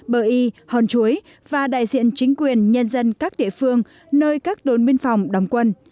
bờ y hòn chuối và đại diện chính quyền nhân dân các địa phương nơi các đồn biên phòng đóng quân